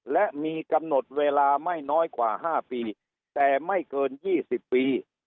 และมีกำหนดเวลาไม่น้อยกว่า๕ปีแต่ไม่เกิน๒๐ปี